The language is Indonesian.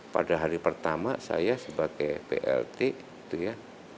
pada hari pertama saya sebagai plt itu ya